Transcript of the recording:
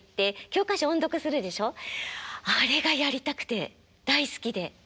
ありがやりたくて大好きで。